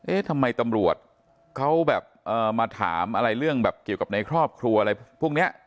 ทำไมตำรวจเขาแบบมาถามอะไรเรื่องแบบเกี่ยวกับในครอบครัวอะไรพวกนี้